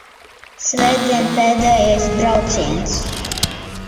Svētdien pēdējais brauciens.